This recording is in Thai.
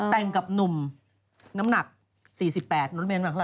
แต่งกับหนุ่มน้ำหนัก๔๘กิโลกรัมน้ำหนักละ